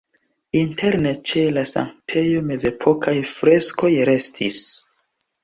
Interne ĉe la sanktejo mezepokaj freskoj restis.